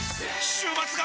週末が！！